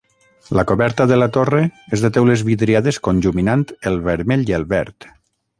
La coberta de la torre és de teules vidriades conjuminant el vermell i el verd.